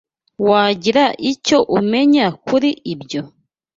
Wagira icyo umenya kuri ibyo?